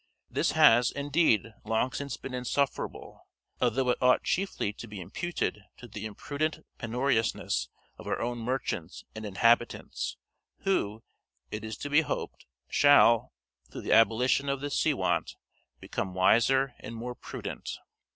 This has, indeed, long since been insufferable; although it ought chiefly to be imputed to the imprudent penuriousness of our own merchants and inhabitants, who, it is to be hoped, shall, through the abolition of this seawant, become wiser and more prudent.